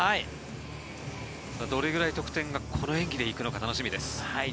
どれぐらい得点がこの演技で行くのか楽しみです。